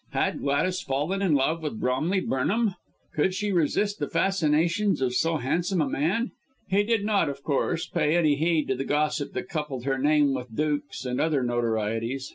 Had Gladys fallen in love with Bromley Burnham? Could she resist the fascinations of so handsome a man? He did not, of course, pay any heed to the gossip that coupled her name with dukes and other notorieties.